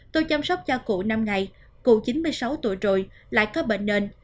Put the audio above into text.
tôi chăm sóc cho cụ năm ngày cụ chín mươi sáu tuổi rồi lại có bệnh nền